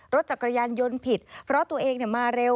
รถจักรยานยนต์ผิดเพราะตัวเองมาเร็ว